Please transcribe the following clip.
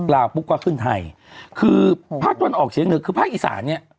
ลาวกปุ๊บกว่าขึ้นไทยคือพระอัตวรรณออกเฉียงเนื้อคือพระอิศาเนี่ย